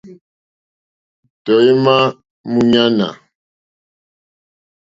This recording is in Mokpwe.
Tɔ̀ímá !múɲánà.